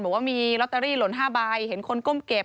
บอกว่ามีลอตเตอรี่หล่น๕ใบเห็นคนก้มเก็บ